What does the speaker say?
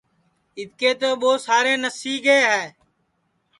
اِٻکے تو ٻو سارے نسیگے ہے